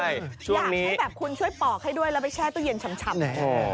อยากให้แบบคุณช่วยปอกให้ด้วยแล้วไปแช่ตู้เย็นชำ